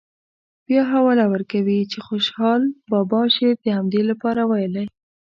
بیا حواله ورکوي چې خوشحال بابا شعر د همدې لپاره ویلی.